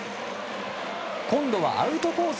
今度はアウトコース